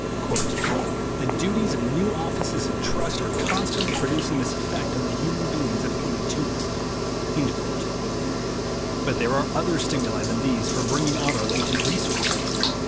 "The duties of new offices of trust are constantly producing this effect on the human beings appointed to them." But there are other stimuli than these for bring ing out our latent resources.